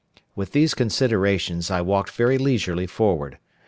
With these considerations, I walked very leisurely forward.